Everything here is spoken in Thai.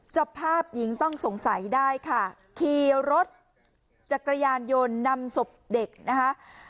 จับภาพหญิงต้องสงสัยได้ค่ะขี่รถจักรยานยนต์นำศพเด็กนะคะ